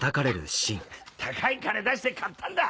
高い金出して買ったんだ！